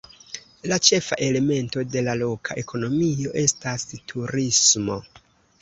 La ĉefa elemento de la loka ekonomio estas turismo.